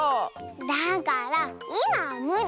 だからいまはむり。